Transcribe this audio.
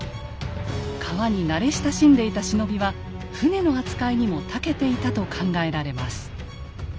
川に慣れ親しんでいた忍びは舟の扱いにもたけていたと考えられます。